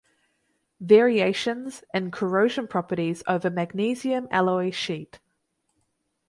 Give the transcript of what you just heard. Variations in corrosion properties over magnesium alloy sheet.